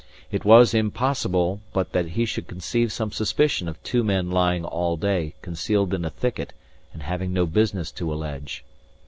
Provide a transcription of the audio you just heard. It was impossible but he should conceive some suspicion of two men lying all day concealed in a thicket and having no business to allege.